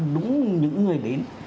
đúng những người đến